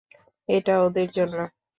এটা ওদের জন্য?